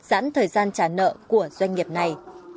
giãn thời gian trả nợ của doanh nghiệp này